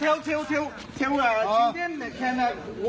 แม็กซ์พาน้องมาได้ป่ะ